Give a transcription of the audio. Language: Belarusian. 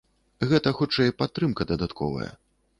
Гэта хутчэй падтрымка дадатковая.